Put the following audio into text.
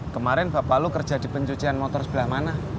kemarin bapak lu kerja di pencucian motor sebelah mana